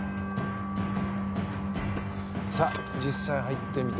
さあ、実際入ってみて。